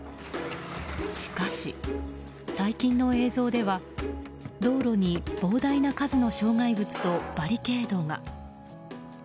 しかし、最近の映像では道路に膨大な数の障害物とバリケードが。